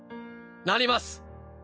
なります！